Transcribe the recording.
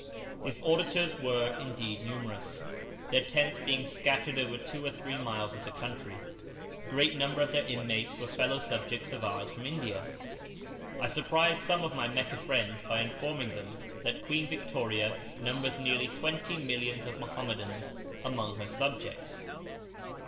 His auditors were, indeed, numerous, their tents being scattered over two or three miles of the country. A great number of their inmates were fellow subjects of ours from India. I surprised some of my Meccah friends by informing them that Queen Victoria numbers nearly twenty millions of Mohammedans among her subjects.